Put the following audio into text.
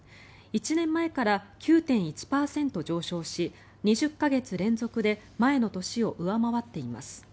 １年前から９．１％上昇し２０か月連続で前の年を上回っています。